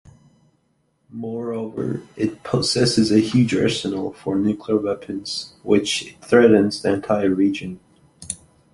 Moreover, it possesses a huge arsenal of nuclear weapons, which it threatens the entire region.